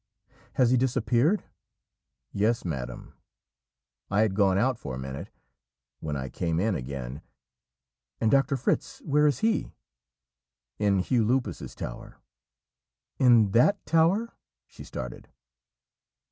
'Has he disappeared?' 'Yes, madam. I had gone out for a minute when I came in again ' 'And Doctor Fritz, where is he?' 'In Hugh Lupus's tower.' 'In that tower?' She started.